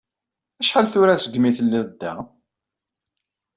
Acḥal tura segmi telliḍ da?